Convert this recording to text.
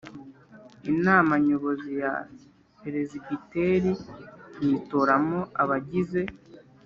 Inama nyobozi ya Peresibiteri yitoramo abagize